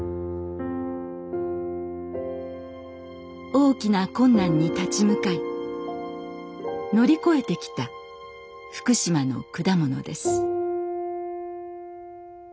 大きな困難に立ち向かい乗り越えてきた福島の果物です。